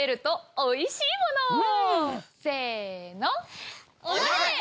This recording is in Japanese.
せの。